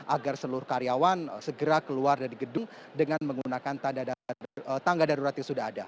agar seluruh karyawan segera keluar dari gedung dengan menggunakan tangga darurat yang sudah ada